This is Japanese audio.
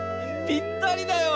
ぴったりだよ！